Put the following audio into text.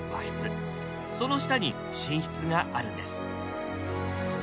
その下に寝室があるんです。